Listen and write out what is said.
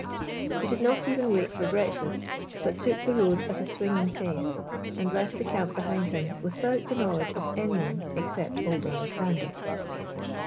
He did not even wait for breakfast, but took the road at a swinging pace, and left tbe camp behind him without tbe knowledge of any one except old Alexander.